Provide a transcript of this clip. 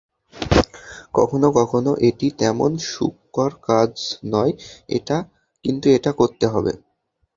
কখনো কখনো এটি তেমন সুখকর কাজ নয়, কিন্তু এটা করতে হবে।